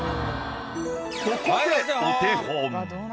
ここでお手本。